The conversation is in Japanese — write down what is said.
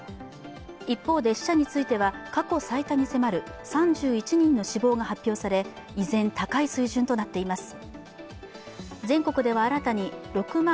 一方で死者については過去最多に迫る３１人の死亡が発表され依然、高い水準となっています。